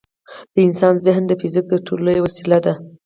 د انسان ذهن د فزیک تر ټولو لوی وسیله ده.